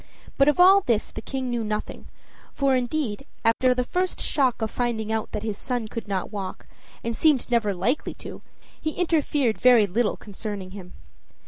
But of all this the King knew nothing, for, indeed, after the first shock of finding out that his son could not walk, and seemed never likely to he interfered very little concerning him.